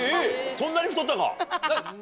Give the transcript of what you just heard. そんなに太ったか？